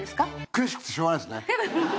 悔しくてしようがないですね。